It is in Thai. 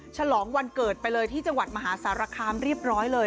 ฉลองวันเกิดไปเลยที่จังหวัดมหาสารคามเรียบร้อยเลย